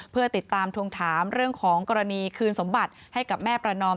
เพื่อติดตามทวงถามเรื่องของกรณีคืนสมบัติให้กับแม่ประนอม